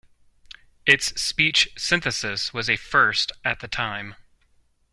Its speech synthesis was a first at the time.